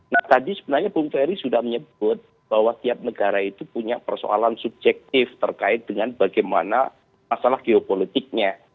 nah tadi sebenarnya bung ferry sudah menyebut bahwa tiap negara itu punya persoalan subjektif terkait dengan bagaimana masalah geopolitiknya